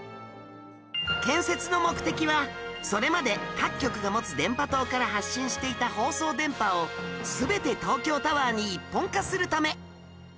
建設の目的はそれまで各局が持つ電波塔から発信していた放送電波を全て東京タワーに一本化するため